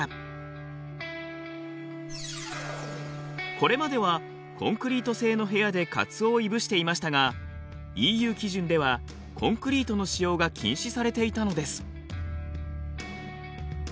これまではコンクリート製の部屋でカツオをいぶしていましたがＥＵ基準ではコンクリートの使用が禁止されていたのです。